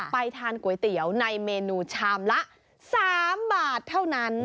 ไปทานก๋วยเตี๋ยวในเมนูชามละ๓บาทเท่านั้น